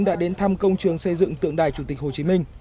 đã đến thăm công trường xây dựng tượng đài chủ tịch hồ chí minh